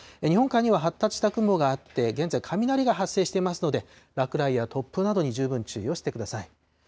日本海には発達した雲があって現在、雷が発生していますので、落雷や突風などに十分注意をしてください。